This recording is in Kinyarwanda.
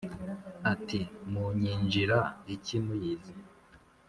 Ati: "Munyinjira iki muyizi,